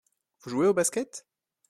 Vous jouez au Basket ?